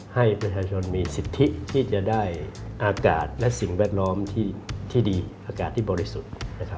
ให้ประชาชนมีสิทธิที่จะได้อากาศและสิ่งแวดล้อมที่ดีอากาศที่บริสุทธิ์นะครับ